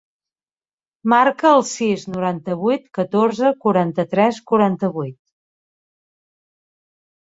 Marca el sis, noranta-vuit, catorze, quaranta-tres, quaranta-vuit.